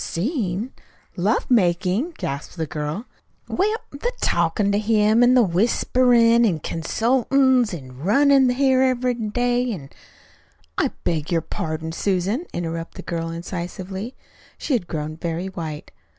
"Seen! Love making!" gasped the girl. "Well, the talkin' to him, then, an' whisperin', an' consultin's, an' runnin' here every day, an' " "I beg your pardon, Susan," interrupted the girl incisively. She had grown very white.